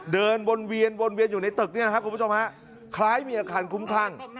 เดินวนเวียนอยู่ในตึกคล้ายมีอาคันคุ้มคลั่ง